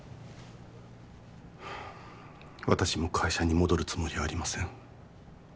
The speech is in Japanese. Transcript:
私も会社に戻るつもりはありません